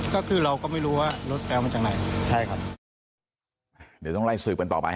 ก็คือเราก็ไม่รู้ว่ารถไปเอามาจากไหน